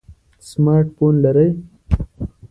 سمارټ فون لرئ؟